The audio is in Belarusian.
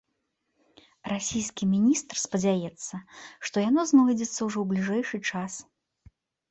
Расійскі міністр спадзяецца, што яно знойдзецца ўжо ў бліжэйшы час.